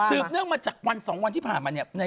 สืบเนื่องมาจากวันสองวันที่ผ่านมานี่